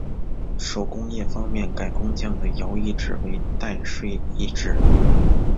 手工业方面改工匠的徭役制为代税役制。